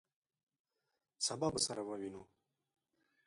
سبا به سره ووینو!